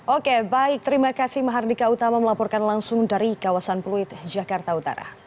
oke baik terima kasih mahardika utama melaporkan langsung dari kawasan pluit jakarta utara